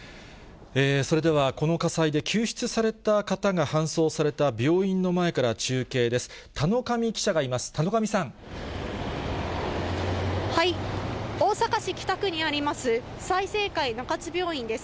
それでは、この火災で救出された方が搬送された病院の前から中継です。